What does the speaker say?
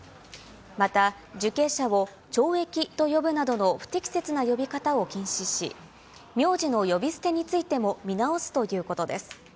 また受刑者を懲役と呼ぶなどの不適切な呼び方を禁止し、名字の呼び捨てについても見直すということです。